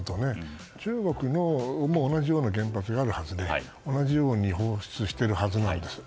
中国も同じような原発があるはずで同じように放出しているはずなんです。